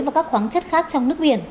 và các khoáng chất khác trong nước biển